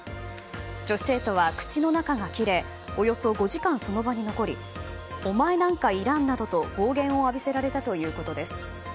女子生徒は口の中が切れおよそ５時間、その場に残りお前なんかいらんなどと暴言を浴びせられたということです。